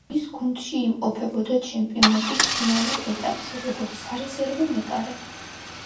ის გუნდში იმყოფებოდა ჩემპიონატის ფინალურ ეტაპზე, როგორც სარეზერვო მეკარე.